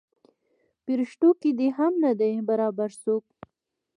پریشتو کې دې هم نه دی برابر څوک.